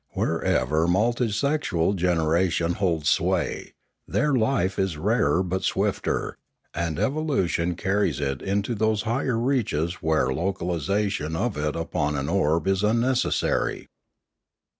Wherever multi sexual generation holds sway, there life is rarer but swifter, and evolution carries it into those higher reaches where localisation of it upon an orb is unnecessary.